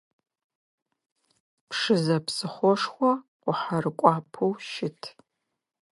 Пшызэ псыхъошхо, къухьэрыкӏуапӏэу щыт.